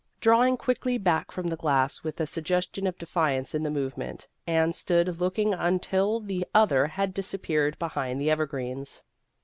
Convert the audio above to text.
Drawing quickly back from the glass with a sug gestion of defiance in the movement, Anne stood looking until the other had disap peared behind the evergreens.